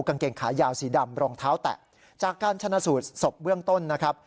กางเกงขายาวสีดำรองเท้าแตะจากการชนะสูตรศพเบื้องต้นนะครับ